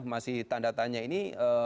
masih tanda tanya ini